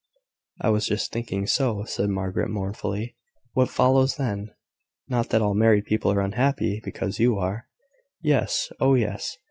"I was just thinking so," replied Margaret, mournfully. "What follows then?" "Not that all married people are unhappy because you are." "Yes, oh, yes!